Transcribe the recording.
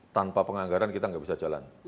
tanpa penganggaran kita nggak bisa jalan